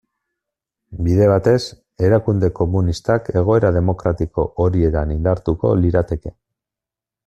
Bide batez, erakunde komunistak egoera demokratiko horietan indartuko lirateke.